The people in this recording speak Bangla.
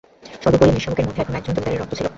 সর্বোপরি, মেষশাবকের মধ্যে এখনও একজন জমিদারের রক্ত ছিল।